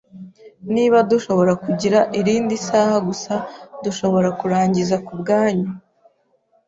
Niba dushobora kugira irindi saha gusa, dushobora kurangiza kubwanyu.